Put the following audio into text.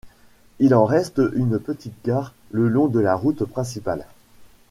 Il en reste une petite gare le long de la route principale.